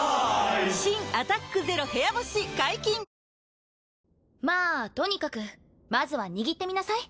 新「アタックＺＥＲＯ部屋干し」解禁‼まあとにかくまずは握ってみなさい。